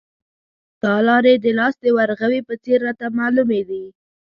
دا لارې د لاس د ورغوي په څېر راته معلومې دي.